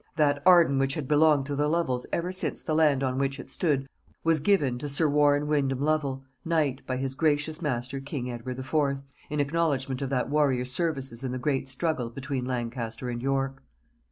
that Arden which had belonged to the Lovels ever since the land on which it stood was given to Sir Warren Wyndham Lovel, knight, by his gracious master King Edward IV., in acknowledgment of that warrior's services in the great struggle between Lancaster and York.